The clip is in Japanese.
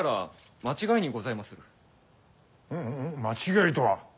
間違いとは？